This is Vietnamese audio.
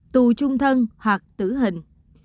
tù chung thân hoặc tử hình